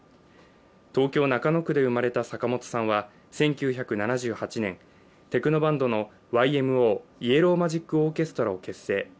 東京・中野区で生まれた坂本さんは１９７８年、テクノバンドのＹＭＯ＝イエロー・マジック・オーケストラを結成。